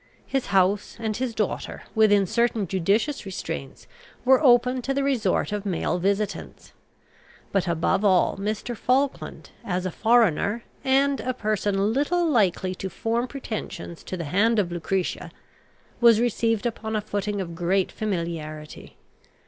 His house and his daughter, within certain judicious restraints, were open to the resort of male visitants. But, above all, Mr. Falkland, as a foreigner, and a person little likely to form pretensions to the hand of Lucretia, was received upon a footing of great familiarity.